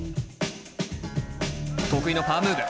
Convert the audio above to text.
得意のパワームーブ。